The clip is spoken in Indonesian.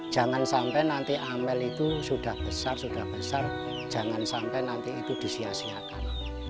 jangan sampai nanti amel itu sudah besar sudah besar jangan sampai nanti itu disiasiakan